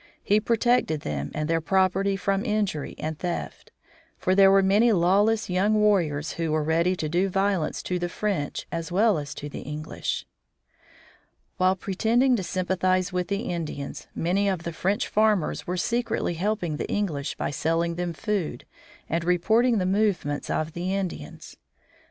He protected them and their property from injury and theft; for there were many lawless young warriors who were ready to do violence to the French as well as to the English. While pretending to sympathize with the Indians, many of the French farmers were secretly helping the English by selling them food and reporting the movements of the Indians.